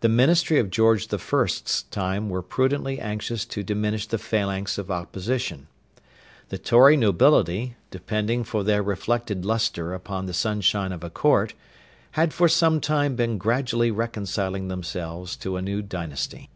The ministry of George the First's time were prudently anxious to diminish the phalanx of opposition. The Tory nobility, depending for their reflected lustre upon the sunshine of a court, had for some time been gradually reconciling themselves to the new dynasty.